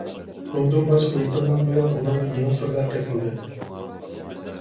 ئۇندىن باشقا يېقىندىن بۇيان ئۇنىڭغا يېڭى تۈرلەر قېتىلدى.